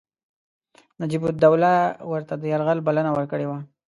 نجیب الدوله ورته د یرغل بلنه ورکړې وه.